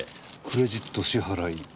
クレジット支払い。